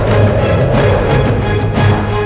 keajian dua penghali takaendak adi